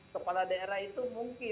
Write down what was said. kepala daerah itu mungkin